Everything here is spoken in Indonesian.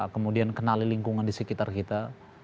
kemudian kenali lingkungan di sekitar kita